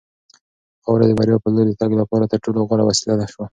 خاوره د بریا په لور د تګ لپاره تر ټولو غوره وسیله شوه.